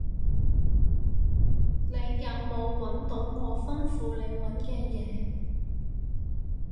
你有冇搵到我吩咐你搵嘅嘢？